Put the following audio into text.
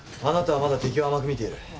あなたはまだ敵を甘く見ている。